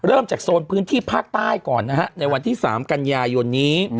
เริ่มจากโซนพื้นที่ภาคใต้ก่อนนะฮะในวันที่๓กันยายนนี้